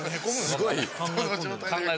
すごい。